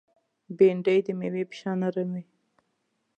بېنډۍ د مېوې په شان نرم وي